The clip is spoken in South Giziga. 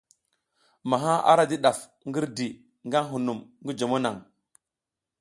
Maha ara di ɗaf ngirdi nga hunum ngi jomo naŋ.